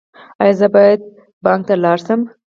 ایا زه باید بانک ته لاړ شم؟